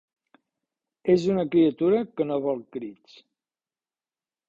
És una criatura que no vol crits.